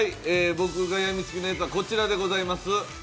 僕がやみつきのやつはこちらでございます。